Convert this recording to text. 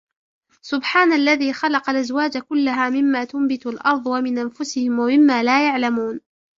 سبحان الذي خلق الأزواج كلها مما تنبت الأرض ومن أنفسهم ومما لا يعلمون